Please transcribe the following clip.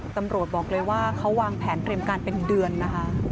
ตำรวจบอกเลยว่าเขาวางแผนเตรียมการเป็นเดือนนะคะ